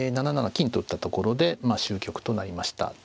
７七金と打ったところで終局となりました。